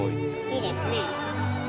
いいですねえ。